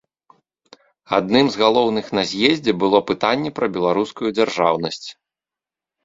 Адным з галоўных на з'ездзе было пытанне пра беларускую дзяржаўнасць.